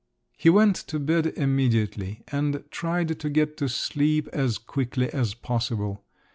He went to bed immediately, and tried to get to sleep as quickly as possible.